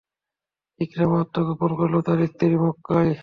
ইকরামা আত্মগোপন করলেও তার স্ত্রী ছিল মক্কায়।